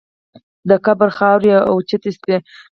د قبر خاورې اوچتې شوې.